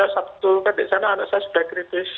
sabtu kan di sana anak saya sudah kritis